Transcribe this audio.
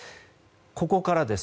ここからです。